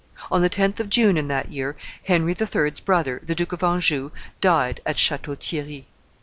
On the 10th of June in that year Henry III.'s brother, the Duke of Anjou, died at Chateau Thierry.